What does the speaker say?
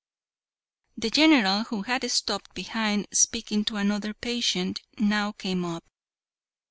The General, who had stopped behind speaking to another patient, now came up.